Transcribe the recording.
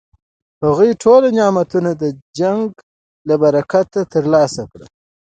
هغوی ټول نعمتونه د جنګ له برکته ترلاسه کړي.